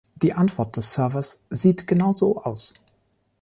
Die Antwort des Servers sieht genauso aus.